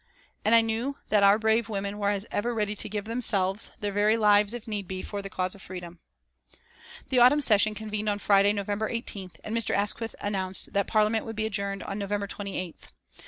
And I knew that our brave women were as ever ready to give themselves, their very lives, if need be, for the cause of freedom. The autumn session convened on Friday, November 18th, and Mr. Asquith announced that Parliament would be adjourned on November 28th.